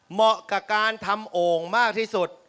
เหมาะกับการทำโอ่งมากที่สุด